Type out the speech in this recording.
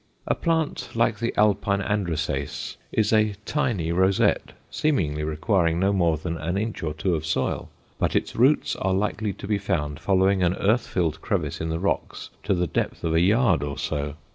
A plant like the alpine androsace is a tiny rosette, seemingly requiring no more than an inch or two of soil, but its roots are likely to be found following an earth filled crevice in the rocks to the depth of a yard or so.